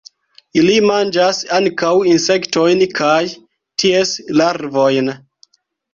Ili manĝas ankaŭ insektojn kaj ties larvojn.